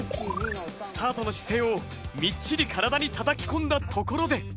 スタートの姿勢をみっちり体にたたき込んだところで。